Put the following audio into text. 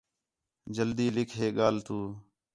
جلدی لِکھ ہے ڳالھ تُو